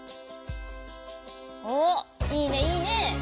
おおいいねいいね。